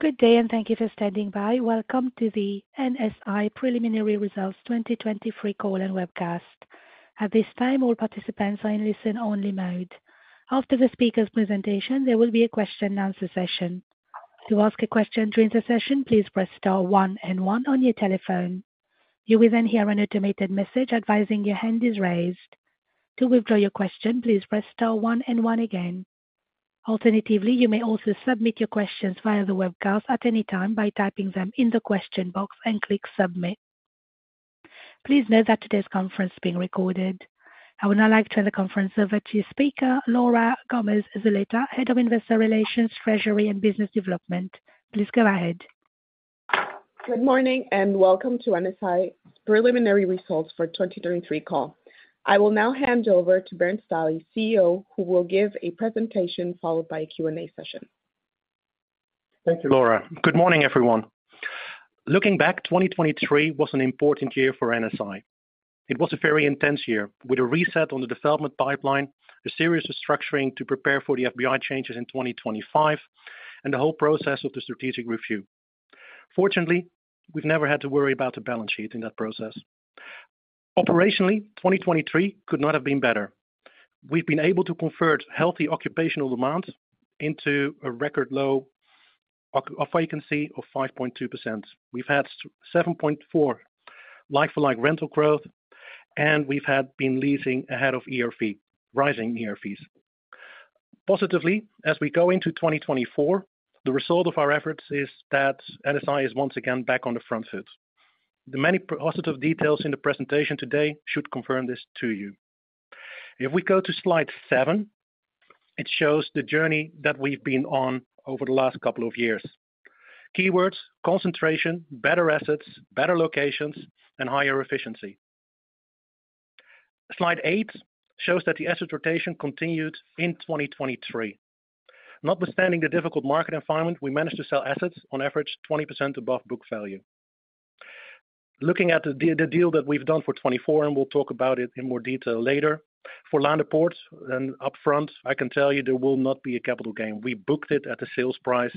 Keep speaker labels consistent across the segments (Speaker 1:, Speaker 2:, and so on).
Speaker 1: Good day, and thank you for standing by. Welcome to the NSI Preliminary Results 2023 Call and Webcast. At this time, all participants are in listen-only mode. After the speaker's presentation, there will be a question and answer session. To ask a question during the session, please press star one and one on your telephone. You will then hear an automated message advising your hand is raised. To withdraw your question, please press star one and one again. Alternatively, you may also submit your questions via the webcast at any time by typing them in the question box and click Submit. Please note that today's conference is being recorded. I would now like to turn the conference over to your speaker, Laura Gomez Zuleta, Head of Investor Relations, Treasury and Business Development. Please go ahead.
Speaker 2: Good morning, and welcome to NSI Preliminary Results for 2023 call. I will now hand over to Bernd Stahli, CEO, who will give a presentation followed by a Q&A session.
Speaker 3: Thank you, Laura. Good morning, everyone. Looking back, 2023 was an important year for NSI. It was a very intense year, with a reset on the development pipeline, a serious restructuring to prepare for the FBI changes in 2025, and the whole process of the strategic review. Fortunately, we've never had to worry about the balance sheet in that process. Operationally, 2023 could not have been better. We've been able to convert healthy occupational demand into a record low vacancy of 5.2%. We've had seven point four like-for-like rental growth, and we've had been leasing ahead of ERV, rising ERVs. Positively, as we go into 2024, the result of our efforts is that NSI is once again back on the front foot. The many positive details in the presentation today should confirm this to you. If we go to slide 7, it shows the journey that we've been on over the last couple of years. Keywords, concentration, better assets, better locations, and higher efficiency. Slide 8 shows that the asset rotation continued in 2023. Notwithstanding the difficult market environment, we managed to sell assets on average, 20% above book value. Looking at the deal that we've done for 2024, and we'll talk about it in more detail later. For Laanderpoort, and upfront, I can tell you there will not be a capital gain. We booked it at a sales price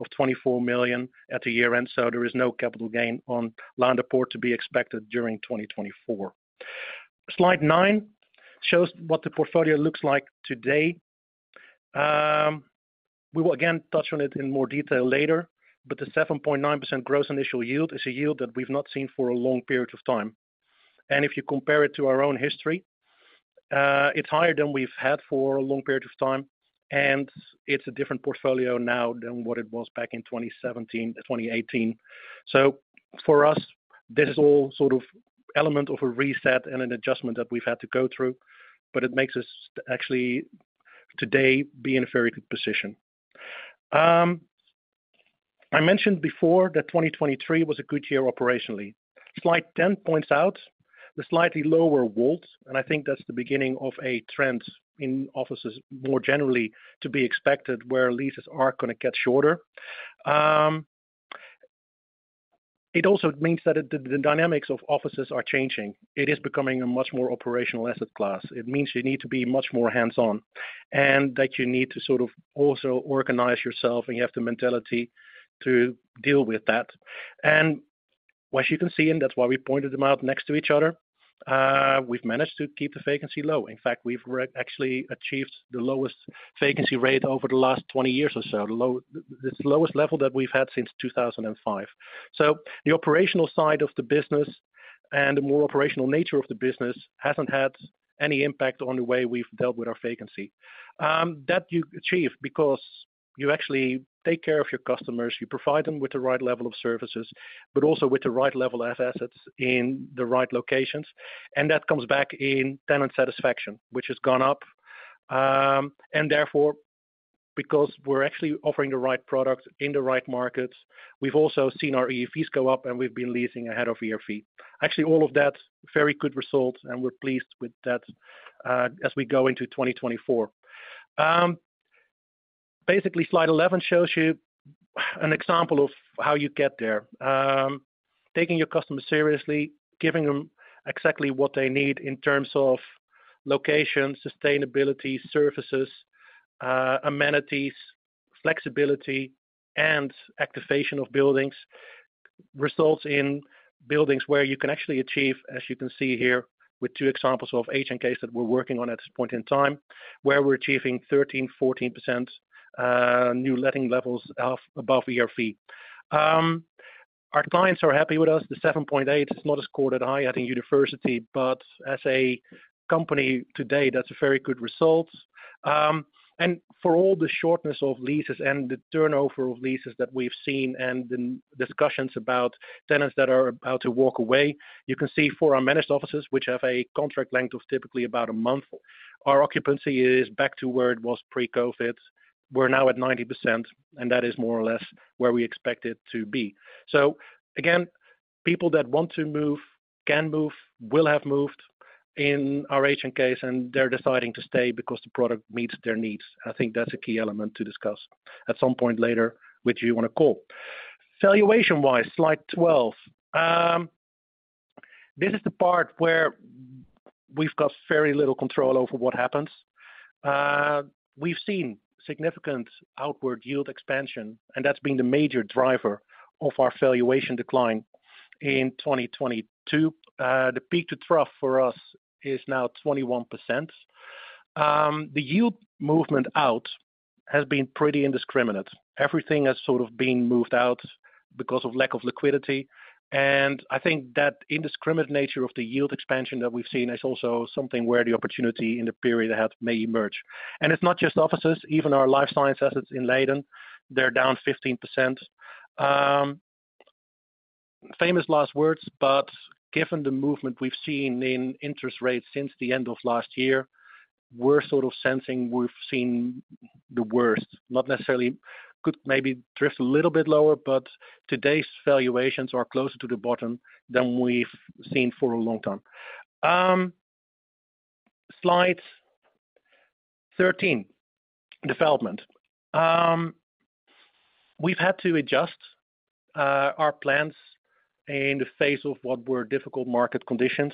Speaker 3: of 24 million at the year-end, so there is no capital gain on Laanderpoort to be expected during 2024. Slide 9 shows what the portfolio looks like today. We will again touch on it in more detail later, but the 7.9% gross initial yield is a yield that we've not seen for a long period of time. And if you compare it to our own history, it's higher than we've had for a long period of time, and it's a different portfolio now than what it was back in 2017 to 2018. So for us, this is all sort of element of a reset and an adjustment that we've had to go through, but it makes us actually today be in a very good position. I mentioned before that 2023 was a good year operationally. Slide 10 points out the slightly lower WULT, and I think that's the beginning of a trend in offices more generally to be expected, where leases are going to get shorter. It also means that the dynamics of offices are changing. It is becoming a much more operational asset class. It means you need to be much more hands-on, and that you need to sort of also organize yourself, and you have the mentality to deal with that. And as you can see, and that's why we pointed them out next to each other, we've managed to keep the vacancy low. In fact, we've actually achieved the lowest vacancy rate over the last 20 years or so, the lowest level that we've had since 2005. So the operational side of the business and the more operational nature of the business hasn't had any impact on the way we've dealt with our vacancy. That you achieve because you actually take care of your customers, you provide them with the right level of services, but also with the right level of assets in the right locations. And that comes back in tenant satisfaction, which has gone up. And therefore, because we're actually offering the right product in the right markets, we've also seen our ERVs go up, and we've been leasing ahead of ERV. Actually, all of that, very good results, and we're pleased with that, as we go into 2024. Basically, slide 11 shows you an example of how you get there. Taking your customers seriously, giving them exactly what they need in terms of location, sustainability, services, amenities, flexibility, and activation of buildings, results in buildings where you can actually achieve, as you can see here, with two examples of HNKs that we're working on at this point in time, where we're achieving 13%-14% new letting levels above ERV. Our clients are happy with us. The 7.8 is not a score that I, at the university, but as a company today, that's a very good result. And for all the shortness of leases and the turnover of leases that we've seen and the discussions about tenants that are about to walk away, you can see for our managed offices, which have a contract length of typically about a month, our occupancy is back to where it was pre-COVID. We're now at 90%, and that is more or less where we expect it to be. So again, people that want to move, can move, will have moved in our HNK, and they're deciding to stay because the product meets their needs. I think that's a key element to discuss at some point later, with you on a call. Valuation-wise, slide 12. This is the part where we've got very little control over what happens. We've seen significant outward yield expansion, and that's been the major driver of our valuation decline in 2022. The peak to trough for us is now 21%. The yield movement out has been pretty indiscriminate. Everything has sort of been moved out because of lack of liquidity, and I think that indiscriminate nature of the yield expansion that we've seen is also something where the opportunity in the period ahead may emerge. It's not just offices, even our life science assets in Leiden, they're down 15%. Famous last words, but given the movement we've seen in interest rates since the end of last year, we're sort of sensing we've seen the worst. Not necessarily, could maybe drift a little bit lower, but today's valuations are closer to the bottom than we've seen for a long time. Slide 13, development. We've had to adjust our plans in the face of what were difficult market conditions.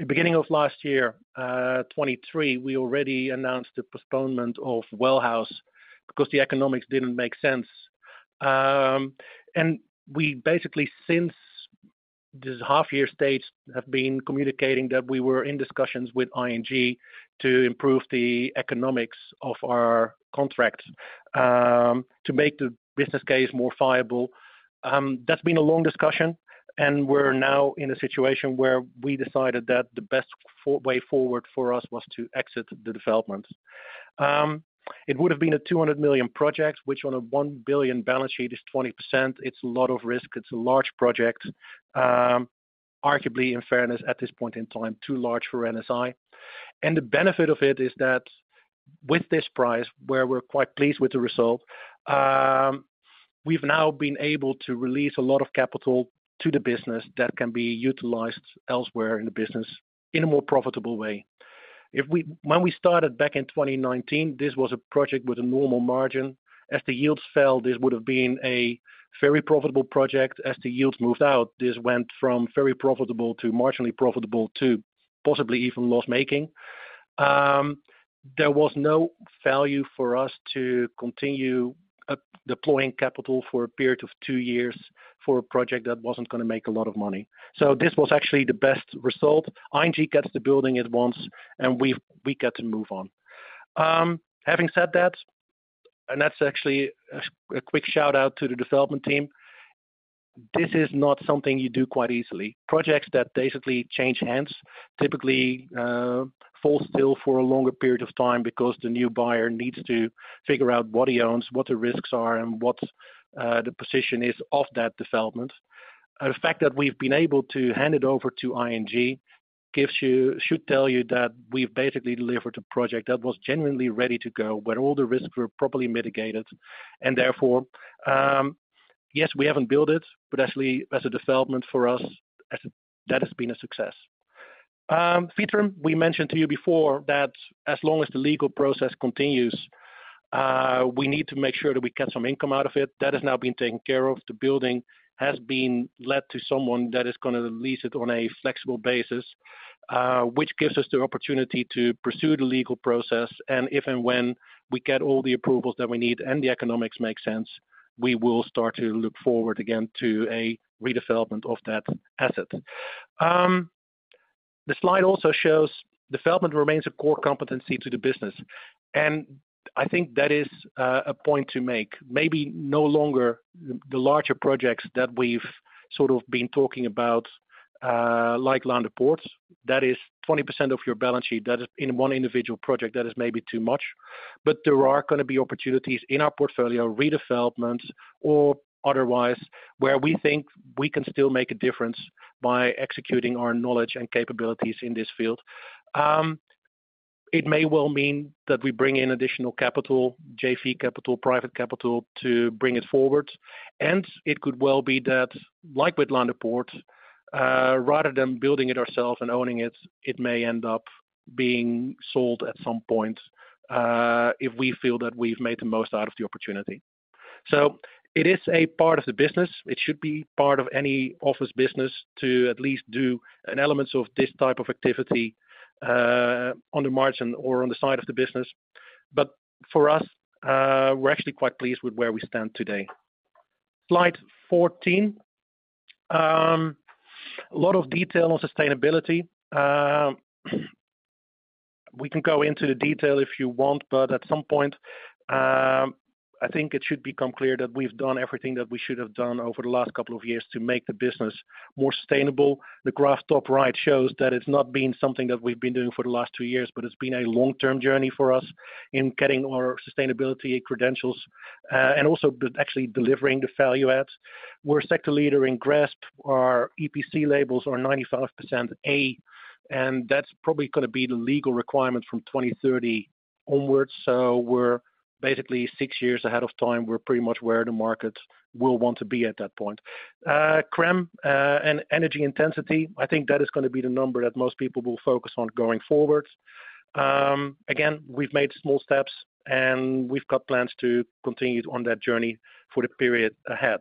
Speaker 3: At beginning of last year, 2023, we already announced the postponement of Well House because the economics didn't make sense. And we basically, since this half year stage, have been communicating that we were in discussions with ING to improve the economics of our contract, to make the business case more viable. That's been a long discussion, and we're now in a situation where we decided that the best way forward for us was to exit the development. It would have been a 200 million project, which on a 1 billion balance sheet is 20%. It's a lot of risk. It's a large project. Arguably, in fairness, at this point in time, too large for NSI. And the benefit of it is that with this price, where we're quite pleased with the result, we've now been able to release a lot of capital to the business that can be utilized elsewhere in the business in a more profitable way. When we started back in 2019, this was a project with a normal margin. As the yields fell, this would have been a very profitable project. As the yields moved out, this went from very profitable to marginally profitable to possibly even loss-making. There was no value for us to continue deploying capital for a period of 2 years for a project that wasn't going to make a lot of money. So this was actually the best result. ING gets the building at once, and we get to move on. Having said that, that's actually a quick shout-out to the development team, this is not something you do quite easily. Projects that basically change hands typically fall still for a longer period of time because the new buyer needs to figure out what he owns, what the risks are, and what the position is of that development. The fact that we've been able to hand it over to ING gives you, should tell you that we've basically delivered a project that was genuinely ready to go, where all the risks were properly mitigated. And therefore, yes, we haven't built it, but actually, as a development for us, as a, that has been a success. Vitrum, we mentioned to you before that as long as the legal process continues, we need to make sure that we get some income out of it. That has now been taken care of. The building has been let to someone that is going to lease it on a flexible basis, which gives us the opportunity to pursue the legal process, and if and when we get all the approvals that we need and the economics make sense, we will start to look forward again to a redevelopment of that asset. The slide also shows development remains a core competency to the business, and I think that is a point to make. Maybe no longer the larger projects that we've sort of been talking about, like Laanderpoort. That is 20% of your balance sheet. That is in one individual project, that is maybe too much. But there are going to be opportunities in our portfolio, redevelopments or otherwise, where we think we can still make a difference by executing our knowledge and capabilities in this field. It may well mean that we bring in additional capital, JV capital, private capital, to bring it forward. And it could well be that, like with Laanderpoort, rather than building it ourselves and owning it, it may end up being sold at some point, if we feel that we've made the most out of the opportunity. So it is a part of the business. It should be part of any office business to at least do an elements of this type of activity, on the margin or on the side of the business. But for us, we're actually quite pleased with where we stand today. Slide 14. A lot of detail on sustainability. We can go into the detail if you want, but at some point, I think it should become clear that we've done everything that we should have done over the last couple of years to make the business more sustainable. The graph top right shows that it's not been something that we've been doing for the last two years, but it's been a long-term journey for us in getting our sustainability credentials, and also actually delivering the value add. We're a sector leader in GRESB. Our EPC labels are 95% A, and that's probably going to be the legal requirement from 2030 onwards. So we're basically six years ahead of time. We're pretty much where the market will want to be at that point. CRREM and energy intensity, I think that is going to be the number that most people will focus on going forward. Again, we've made small steps, and we've got plans to continue on that journey for the period ahead.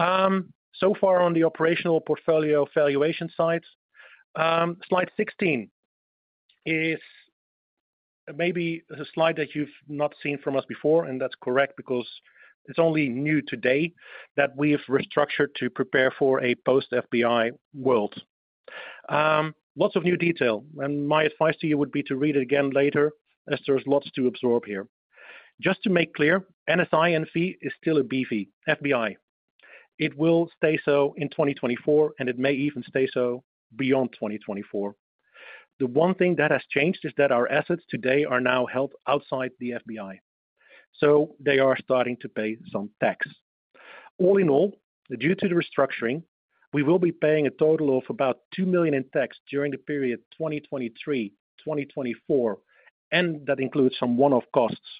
Speaker 3: So far on the operational portfolio valuation side, slide 16 is maybe a slide that you've not seen from us before, and that's correct, because it's only new today that we've restructured to prepare for a post-FBI world. Lots of new detail, and my advice to you would be to read it again later, as there's lots to absorb here. Just to make clear, NSI N.V. is still a BV, FBI. It will stay so in 2024, and it may even stay so beyond 2024. The one thing that has changed is that our assets today are now held outside the FBI, so they are starting to pay some tax. All in all, due to the restructuring, we will be paying a total of about 2 million in tax during the period 2023-2024, and that includes some one-off costs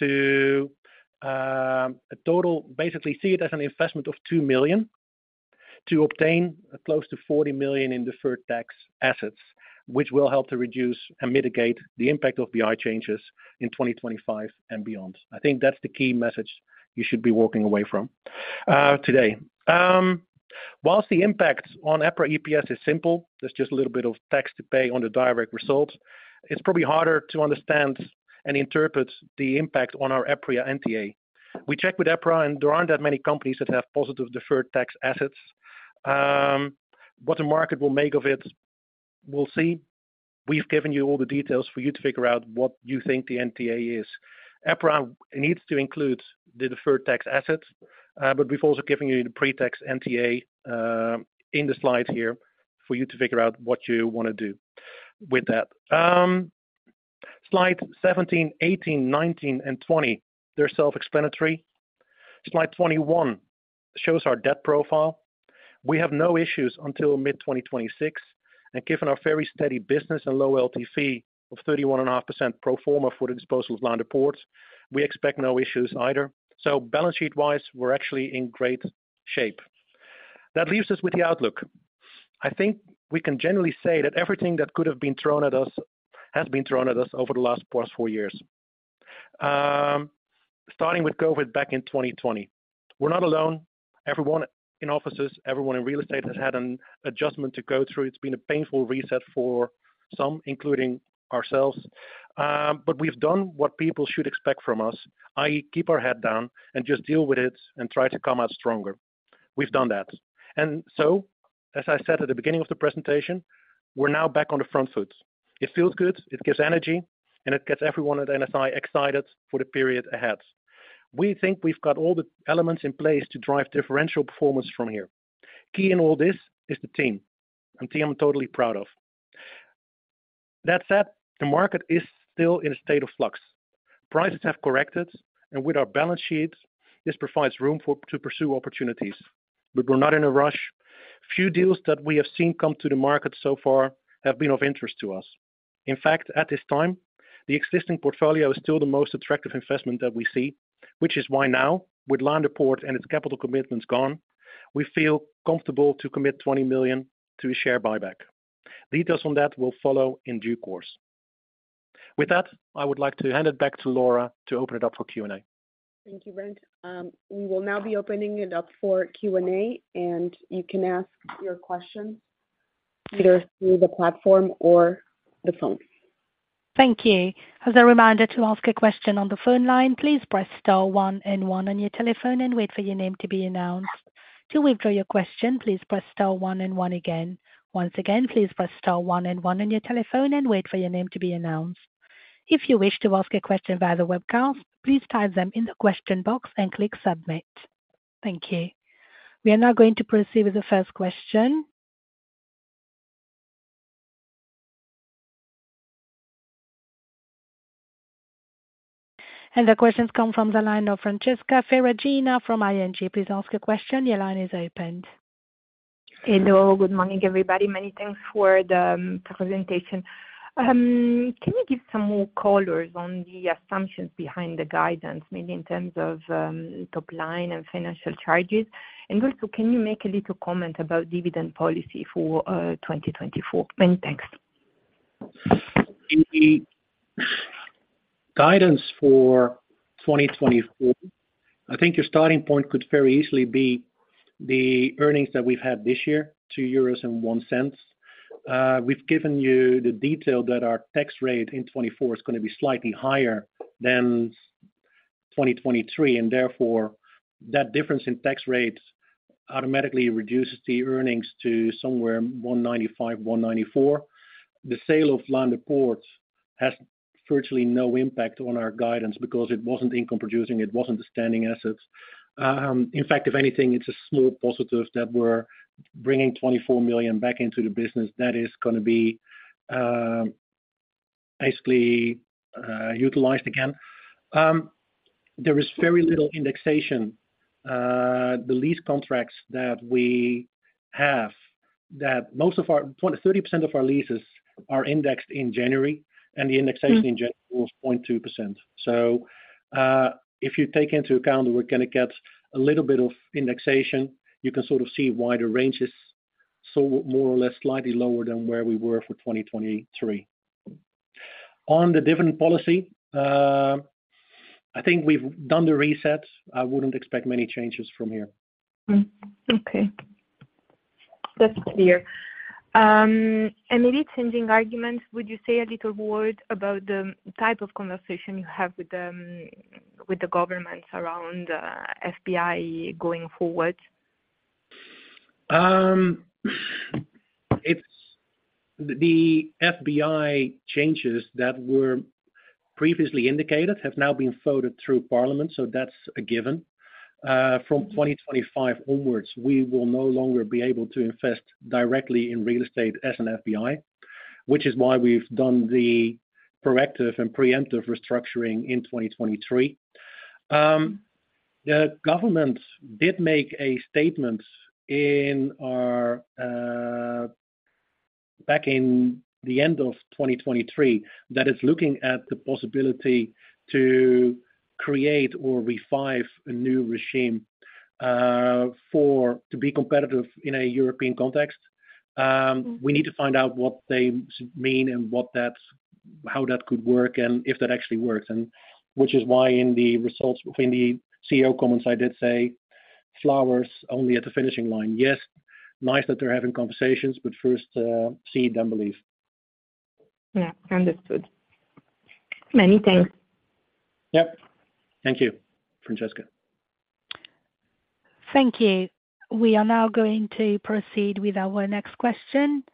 Speaker 3: to a total. Basically, see it as an investment of 2 million to obtain close to 40 million in deferred tax assets, which will help to reduce and mitigate the impact of FBI changes in 2025 and beyond. I think that's the key message you should be walking away from today. While the impact on EPRA EPS is simple, there's just a little bit of tax to pay on the direct results, it's probably harder to understand and interpret the impact on our EPRA NTA. We checked with EPRA, and there aren't that many companies that have positive deferred tax assets. What the market will make of it, we'll see. We've given you all the details for you to figure out what you think the NTA is. EPRA needs to include the deferred tax assets, but we've also given you the pre-tax NTA, in the slide here for you to figure out what you want to do with that. Slide 17, 18, 19, and 20, they're self-explanatory. Slide 21 shows our debt profile. We have no issues until mid-2026, and given our very steady business and low LTV of 31.5% pro forma for the disposal of Laanderpoort, we expect no issues either. So balance sheet-wise, we're actually in great shape. That leaves us with the outlook. I think we can generally say that everything that could have been thrown at us has been thrown at us over the last past four years, starting with COVID back in 2020. We're not alone. Everyone in offices, everyone in real estate has had an adjustment to go through. It's been a painful reset for some, including ourselves, but we've done what people should expect from us, i.e., keep our head down and just deal with it and try to come out stronger. We've done that. And so, as I said at the beginning of the presentation, we're now back on the front foot. It feels good, it gives energy, and it gets everyone at NSI excited for the period ahead. We think we've got all the elements in place to drive differential performance from here. Key in all this is the team. A team I'm totally proud of. That said, the market is still in a state of flux. Prices have corrected, and with our balance sheets, this provides room for, to pursue opportunities. But we're not in a rush. Few deals that we have seen come to the market so far have been of interest to us. In fact, at this time, the existing portfolio is still the most attractive investment that we see, which is why now, with Laanderpoort and its capital commitments gone, we feel comfortable to commit 20 million to a share buyback. Details on that will follow in due course. With that, I would like to hand it back to Laura to open it up for Q&A.
Speaker 2: Thank you, Bernd. We will now be opening it up for Q&A, and you can ask your questions either through the platform or the phone.
Speaker 1: Thank you. As a reminder to ask a question on the phone line, please press star one and one on your telephone and wait for your name to be announced. To withdraw your question, please press star one and one again. Once again, please press star one and one on your telephone and wait for your name to be announced. If you wish to ask a question via the webcast, please type them in the question box and click submit. Thank you. We are now going to proceed with the first question. The questions come from the line of Francesca Ferragina from ING. Please ask a question. Your line is opened.
Speaker 4: Hello, good morning, everybody. Many thanks for the presentation. Can you give some more colors on the assumptions behind the guidance, maybe in terms of top line and financial charges? And also, can you make a little comment about dividend policy for 2024? Many thanks.
Speaker 3: In the guidance for 2024, I think your starting point could very easily be the earnings that we've had this year, 2.01 euros. We've given you the detail that our tax rate in 2024 is gonna be slightly higher than 2023, and therefore, that difference in tax rates automatically reduces the earnings to somewhere 1.95, 1.94. The sale of Laanderpoort has virtually no impact on our guidance because it wasn't income producing, it wasn't the standing assets. In fact, if anything, it's a small positive that we're bringing 24 million back into the business. That is gonna be, basically, utilized again. There is very little indexation. The lease contracts that we have, that most of our thirty percent of our leases are indexed in January, and the indexation in January was 0.2%. So, if you take into account that we're gonna get a little bit of indexation, you can sort of see why the range is so more or less, slightly lower than where we were for 2023. On the dividend policy, I think we've done the reset. I wouldn't expect many changes from here.
Speaker 4: Hmm. Okay. That's clear. And maybe changing arguments, would you say a little word about the type of conversation you have with the governments around FBI going forward?
Speaker 3: It's the FBI changes that were previously indicated have now been voted through Parliament, so that's a given. From 2025 onwards, we will no longer be able to invest directly in real estate as an FBI, which is why we've done the proactive and preemptive restructuring in 2023. The government did make a statement back in the end of 2023, that is looking at the possibility to create or revive a new regime, for, to be competitive in a European context. We need to find out what they mean and what that how that could work and if that actually works, and which is why in the results, in the CEO comments, I did say, flowers only at the finishing line. Yes, nice that they're having conversations, but first, see, then believe.
Speaker 4: Yeah. Understood. Many thanks.
Speaker 3: Yep. Thank you, Francesca.
Speaker 1: Thank you. We are now going to proceed with our next question,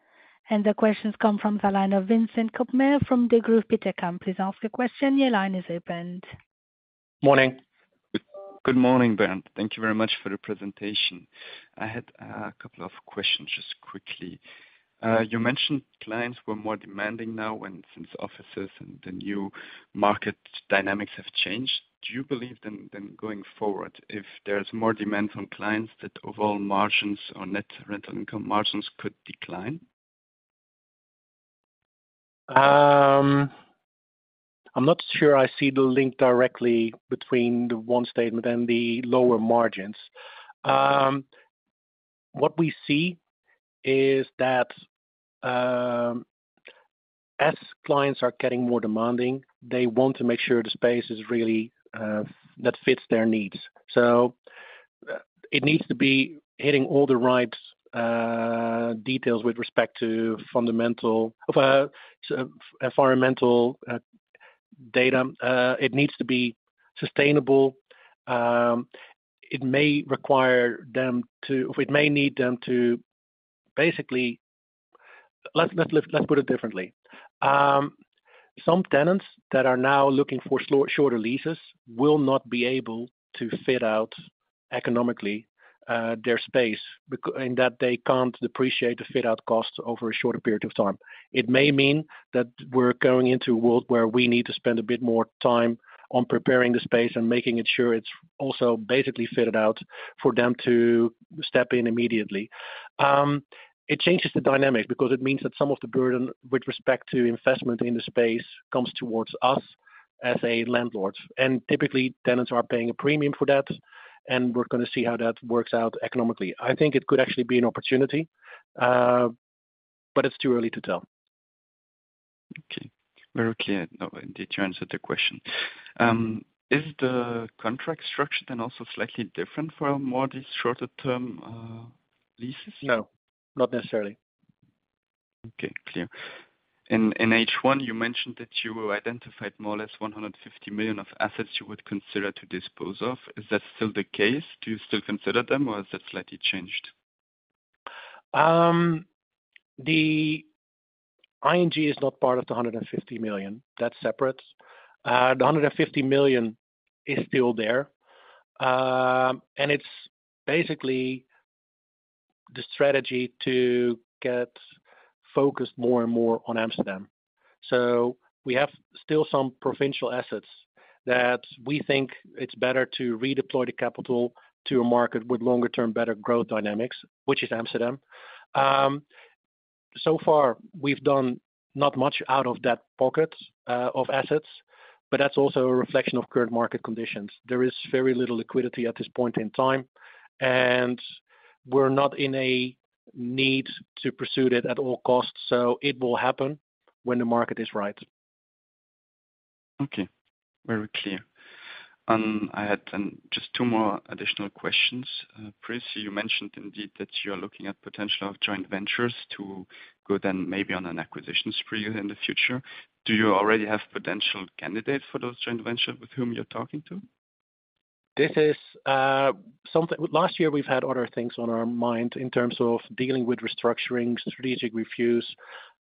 Speaker 1: and the questions come from the line of Vincent Koppmair from Degroof Petercam. Please ask your question. Your line is open.
Speaker 3: Morning.
Speaker 5: Good morning, Bernd. Thank you very much for the presentation. I had a couple of questions just quickly. You mentioned clients were more demanding now, and since offices and the new market dynamics have changed, do you believe then, then going forward, if there's more demand from clients, that overall margins or net rental income margins could decline?
Speaker 3: I'm not sure I see the link directly between the one statement and the lower margins. What we see is that, as clients are getting more demanding, they want to make sure the space is really, that fits their needs. So it needs to be hitting all the right, details with respect to fundamental, environmental, data. It needs to be sustainable. It may require them to... It may need them to basically, let's put it differently. Some tenants that are now looking for shorter leases will not be able to fit out economically, their space, in that they can't depreciate the fit out costs over a shorter period of time. It may mean that we're going into a world where we need to spend a bit more time on preparing the space and making it sure it's also basically fitted out for them to step in immediately. It changes the dynamic because it means that some of the burden with respect to investment in the space comes towards us as a landlord, and typically, tenants are paying a premium for that, and we're going to see how that works out economically. I think it could actually be an opportunity, but it's too early to tell.
Speaker 5: Okay. Very clear. No, indeed, you answered the question. Is the contract structure then also slightly different for more of these shorter term leases?
Speaker 3: No, not necessarily.
Speaker 5: Okay, clear. In H1, you mentioned that you identified more or less 150 million of assets you would consider to dispose of. Is that still the case? Do you still consider them, or is that slightly changed?
Speaker 3: The ING is not part of the 150 million. That's separate. The 150 million is still there, and it's basically the strategy to get focused more and more on Amsterdam. So we have still some provincial assets that we think it's better to redeploy the capital to a market with longer term, better growth dynamics, which is Amsterdam. So far, we've done not much out of that pocket of assets, but that's also a reflection of current market conditions. There is very little liquidity at this point in time, and we're not in a need to pursue it at all costs, so it will happen when the market is right.
Speaker 5: Okay. Very clear. I had just two more additional questions. Previously, you mentioned indeed that you're looking at potential of joint ventures to go then maybe on an acquisition spree in the future. Do you already have potential candidates for those joint ventures with whom you're talking to?
Speaker 3: This is something. Last year, we've had other things on our mind in terms of dealing with restructuring, strategic reviews,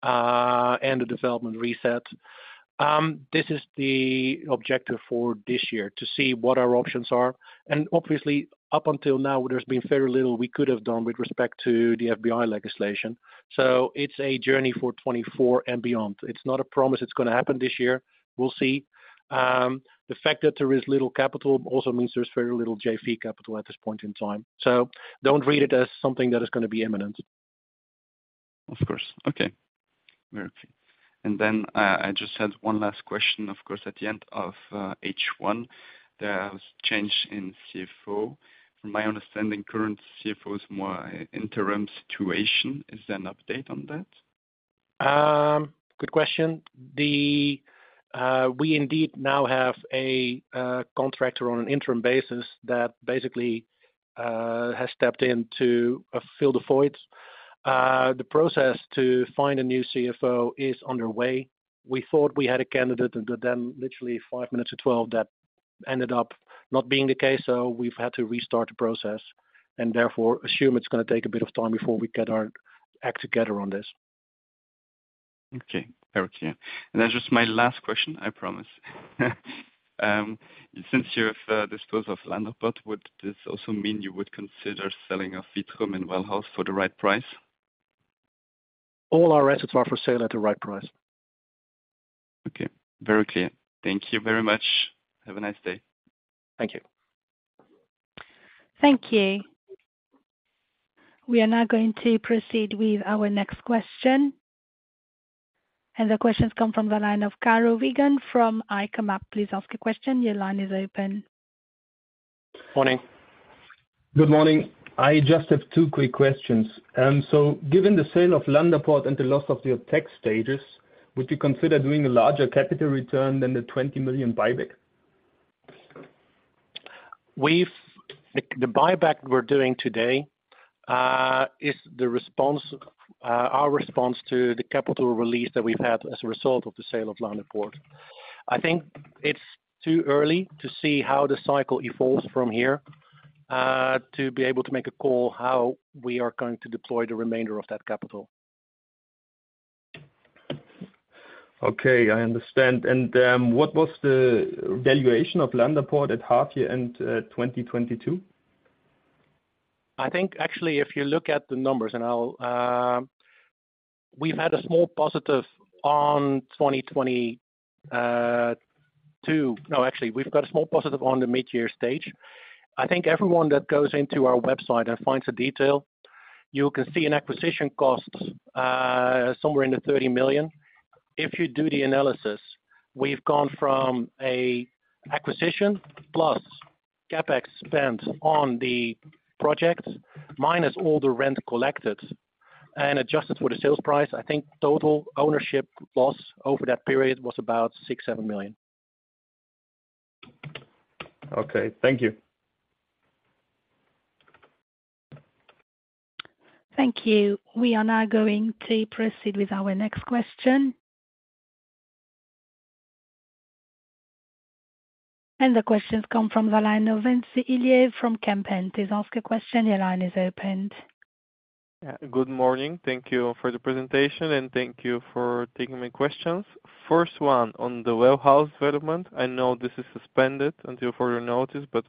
Speaker 3: and the development reset. This is the objective for this year, to see what our options are. Obviously, up until now, there's been very little we could have done with respect to the FBI legislation. So it's a journey for 2024 and beyond. It's not a promise it's going to happen this year. We'll see. The fact that there is little capital also means there's very little JV capital at this point in time. So don't read it as something that is going to be imminent.
Speaker 5: Of course. Okay. Very clear. And then, I just had one last question. Of course, at the end of, H1, there was change in CFO. From my understanding, current CFO is more interim situation. Is there an update on that?...
Speaker 3: Good question. We indeed now have a contractor on an interim basis that basically has stepped in to fill the void. The process to find a new CFO is underway. We thought we had a candidate, and then literally five minutes to twelve, that ended up not being the case, so we've had to restart the process, and therefore assume it's gonna take a bit of time before we get our act together on this.
Speaker 5: Okay, very clear. And then just my last question, I promise. Since you've disposed of Laanderpoort, would this also mean you would consider selling a Vitrum in Well House for the right price?
Speaker 3: All our assets are for sale at the right price.
Speaker 5: Okay. Very clear. Thank you very much. Have a nice day.
Speaker 3: Thank you.
Speaker 1: Thank you. We are now going to proceed with our next question. The question comes from the line of Kaare Vågen from Nordea. Please ask a question. Your line is open.
Speaker 6: Morning. Good morning. I just have two quick questions. So, given the sale of Laanderpoort and the loss of your tax status, would you consider doing a larger capital return than the 20 million buyback?
Speaker 3: The buyback we're doing today is our response to the capital release that we've had as a result of the sale of Laanderpoort. I think it's too early to see how the cycle evolves from here to be able to make a call how we are going to deploy the remainder of that capital.
Speaker 6: Okay, I understand. And, what was the valuation of Laanderpoort at half year end, 2022?
Speaker 3: I think actually, if you look at the numbers, and I'll... We've had a small positive on 2022. No, actually, we've got a small positive on the mid-year stage. I think everyone that goes into our website and finds the detail, you can see an acquisition cost somewhere in the 30 million. If you do the analysis, we've gone from a acquisition plus CapEx spend on the project, minus all the rent collected and adjusted for the sales price. I think total ownership loss over that period was about 6-7 million.
Speaker 6: Okay, thank you.
Speaker 1: Thank you. We are now going to proceed with our next question. The question's come from the line of Vincy Ilie from Kempen. Please ask your question. Your line is opened. Yeah. Good morning. Thank you for the presentation, and thank you for taking my questions. First one, on the Well House development, I know this is suspended until further notice, but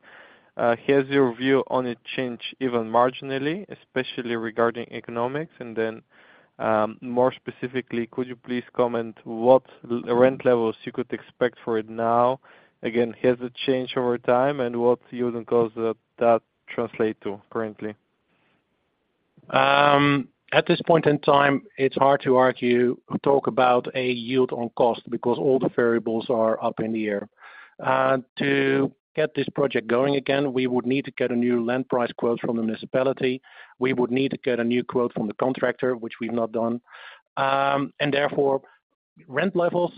Speaker 1: has your view on it changed even marginally, especially regarding economics? And then, more specifically, could you please comment what rent levels you could expect for it now? Again, has it changed over time, and what yield and costs that translate to currently?
Speaker 3: At this point in time, it's hard to argue, talk about a yield on cost, because all the variables are up in the air. To get this project going again, we would need to get a new land price quote from the municipality. We would need to get a new quote from the contractor, which we've not done. And therefore, rent levels,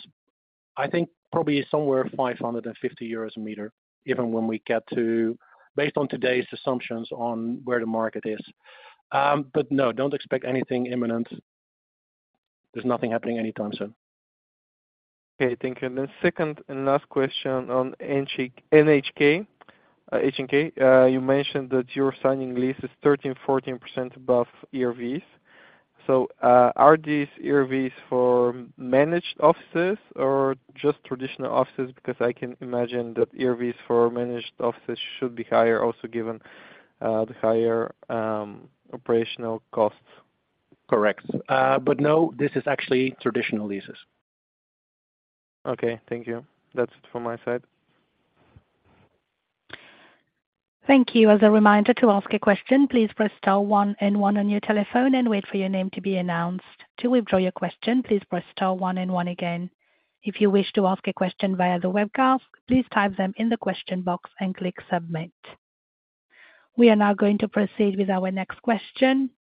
Speaker 3: I think, probably somewhere 550 euros a meter, even when we get to, based on today's assumptions on where the market is. But no, don't expect anything imminent. There's nothing happening anytime soon. Okay, thank you. The second and last question on NH, NHK, HNK. You mentioned that your signing lease is 13%-14% above ERVs. So, are these ERVs for managed offices or just traditional offices? Because I can imagine that ERVs for managed offices should be higher also, given the higher operational costs. Correct. But no, this is actually traditional leases. Okay, thank you. That's it from my side.
Speaker 1: Thank you. As a reminder, to ask a question, please press star one and one on your telephone and wait for your name to be announced. To withdraw your question, please press star one and one again. If you wish to ask a question via the webcast, please type them in the question box and click submit. We are now going to proceed with our next question.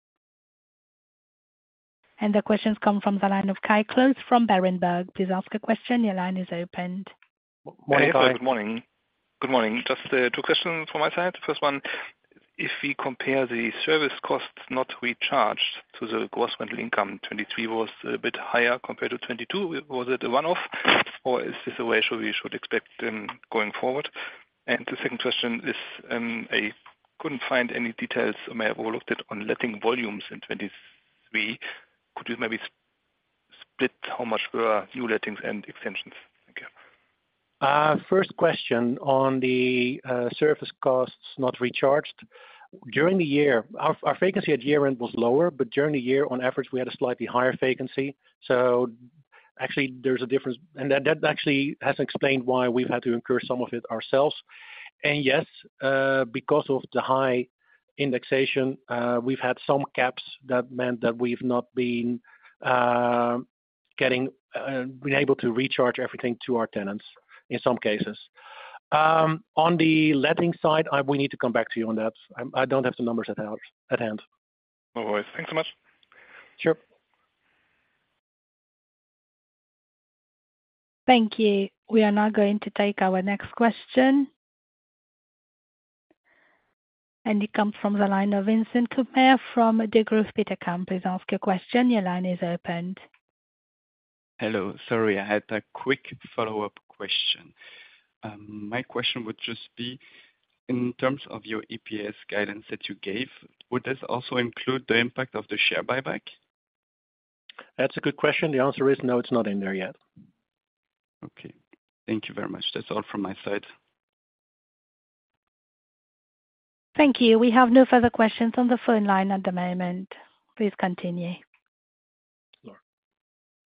Speaker 1: And the questions come from the line of Kai Klose from Berenberg. Please ask a question. Your line is open.
Speaker 3: Morning, Kai.
Speaker 7: Good morning. Good morning. Just, two questions from my side. First one, if we compare the service costs not recharged to the gross rental income, 2023 was a bit higher compared to 2022. Was it a one-off, or is this a ratio we should expect, going forward? And the second question is, I couldn't find any details, I may have overlooked it, on letting volumes in 2023. Could you maybe split how much were new lettings and extensions? Thank you.
Speaker 3: First question on the service costs not recharged. During the year, our vacancy at year end was lower, but during the year, on average, we had a slightly higher vacancy. So actually there's a difference. And that actually has explained why we've had to incur some of it ourselves. And yes, because of the high indexation, we've had some gaps that meant that we've not been getting able to recharge everything to our tenants in some cases. On the letting side, we need to come back to you on that. I don't have the numbers at hand.
Speaker 7: No worries. Thanks so much.
Speaker 3: Sure.
Speaker 1: Thank you. We are now going to take our next question. It comes from the line of Vincent Koppmair from Degroof Petercam. Please ask your question. Your line is open.
Speaker 5: Hello. Sorry, I had a quick follow-up question. My question would just be, in terms of your EPS guidance that you gave, would this also include the impact of the share buyback?
Speaker 3: That's a good question. The answer is no, it's not in there yet.
Speaker 5: Okay. Thank you very much. That's all from my side.
Speaker 1: Thank you. We have no further questions on the phone line at the moment. Please continue.
Speaker 3: Sure.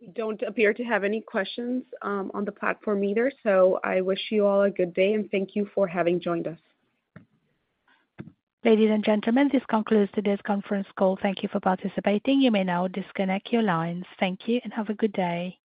Speaker 2: We don't appear to have any questions on the platform either, so I wish you all a good day, and thank you for having joined us.
Speaker 1: Ladies and gentlemen, this concludes today's conference call. Thank you for participating. You may now disconnect your lines. Thank you and have a good day!